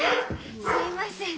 すみません。